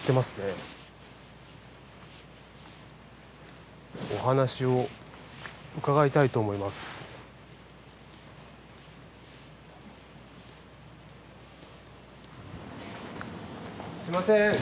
すみません。